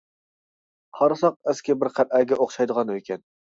قارىساق ئەسكى بىر قەلئەگە ئوخشايدىغان ئۆيكەن.